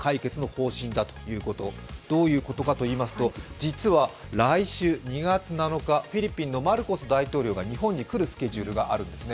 実は来週、２月７日フィリピンのマルコス大統領が日本に来るスケジュールがあるんですね。